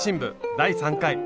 第３回